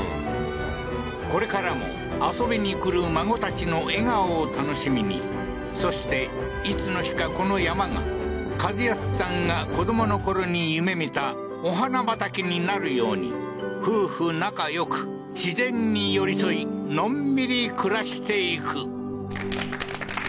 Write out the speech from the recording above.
これからも、遊びに来る孫たちの笑顔を楽しみに、そして、いつの日かこの山が一康さんが子供の頃に夢見たお花畑になるように、夫婦仲よく、自然に寄り添い、のんびり暮らしていく。